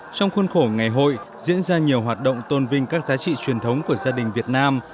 trong khuôn khổ ngày hội diễn ra nhiều hoạt động tôn vinh các giá trị truyền thống của gia đình việt nam